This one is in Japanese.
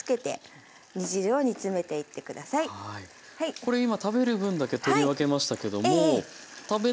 これ今食べる分だけ取り分けましたけども。